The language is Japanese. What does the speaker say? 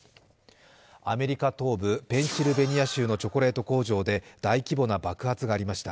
アメリカ東部ペンシルベニア州のチョコレート工場で大規模な爆発がありました。